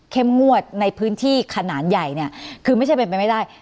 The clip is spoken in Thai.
เข้มงวดในพื้นที่ขนานใหญ่คือไม่ใช่เป็นไปไม่ได้